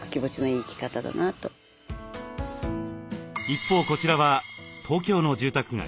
一方こちらは東京の住宅街。